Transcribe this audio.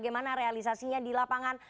bagaimana realisasinya di lapangan